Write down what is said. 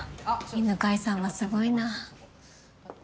犬飼さんはすごいな。